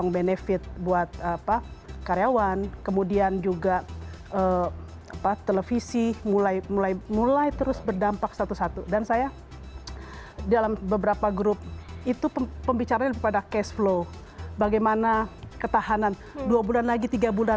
beberapa grup itu pembicaraan pada cashflow bagaimana ketahanan dua bulan lagi tiga bulan